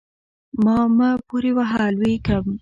ما مه پورې وهه؛ لوېږم.